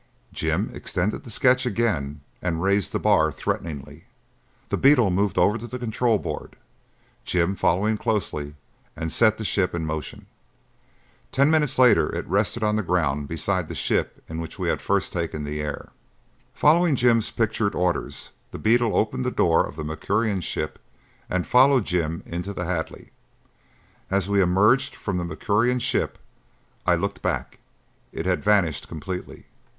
Jim extended the sketch again and raised the bar threateningly. The beetle moved over to the control board, Jim following closely, and set the ship in motion. Ten minutes later it rested on the ground beside the ship in which we had first taken the air. Following Jim's pictured orders the beetle opened the door of the Mercurian ship and followed Jim into the Hadley. As we emerged from the Mercurian ship I looked back. It had vanished completely.